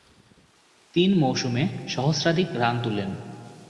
তিন মৌসুমে সহস্রাধিক রান তুলেন।